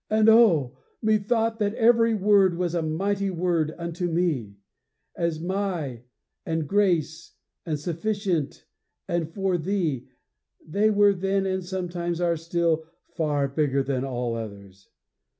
And oh! methought that every word was a mighty word unto me; as My and grace, and sufficient, and for thee; they were then, and sometimes are still, far bigger than all others.